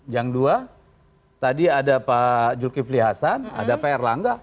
yang dua tadi ada pak zulkifli hasan ada pak erlangga